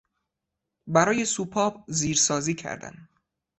برای سوپاپ زیرسازی کردن